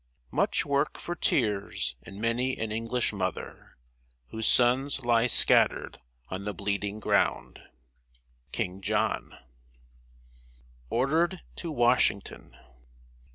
Much work for tears in many an English mother, Whose sons lie scattered on the bleeding ground. KING JOHN. [Sidenote: ORDERED TO WASHINGTON.